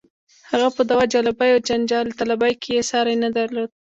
هغه په دعوه جلبۍ او جنجال طلبۍ کې یې ساری نه درلود.